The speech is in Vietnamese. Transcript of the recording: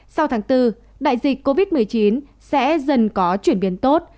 sau tháng bốn đại dịch covid một mươi chín sẽ dần có chuyển biến tốt